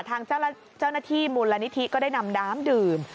ทางเจ้าหน้าที่มูลนิธิก็ได้นำน้ำดื่ม